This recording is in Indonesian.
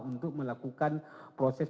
untuk melakukan proses